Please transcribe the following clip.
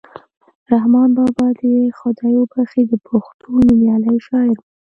رحمان بابا دې یې خدای وبښي د پښتو نومیالی شاعر ؤ.